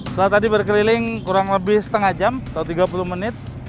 setelah tadi berkeliling kurang lebih setengah jam atau tiga puluh menit